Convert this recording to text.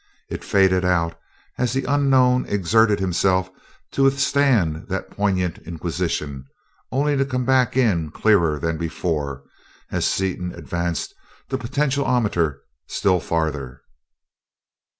It faded out as the unknown exerted himself to withstand that poignant inquisition, only to come back in, clearer than before, as Seaton advanced the potentiometer still farther.